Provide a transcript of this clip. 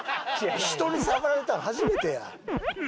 人に触られたの初めてや内もも。